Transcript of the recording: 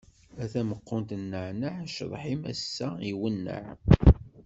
A tameqqunt n nneɛneɛ, ccḍeḥ-im ass-a iwenneɛ.